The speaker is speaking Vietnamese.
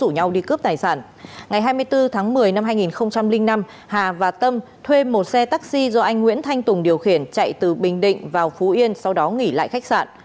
ngày hai mươi bốn tháng một mươi năm hai nghìn năm hà và tâm thuê một xe taxi do anh nguyễn thanh tùng điều khiển chạy từ bình định vào phú yên sau đó nghỉ lại khách sạn